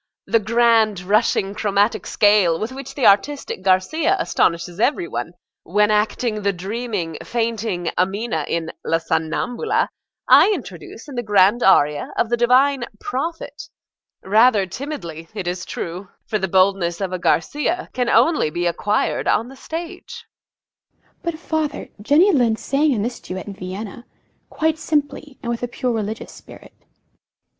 The grand, rushing, chromatic scale with which the artistic Garcia astonishes every one, when acting the dreaming, fainting Amina in "La Somnambula," I introduce in the grand aria of the divine "Prophet;" rather timidly, it is true, for the boldness of a Garcia can only be acquired on the stage. EMMA. But, father, Jenny Lind sang in this duet in Vienna, quite simply, and with a pure religious spirit.